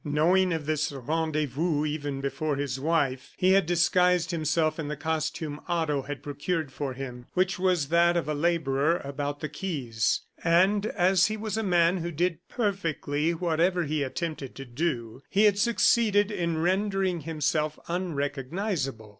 Knowing of this rendezvous even before his wife, he had disguised himself in the costume Otto had procured for him, which was that of a laborer about the quays; and, as he was a man who did perfectly whatever he attempted to do, he had succeeded in rendering himself unrecognizable.